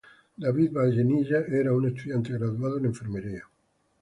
David Vallenilla era un estudiante graduado en enfermería.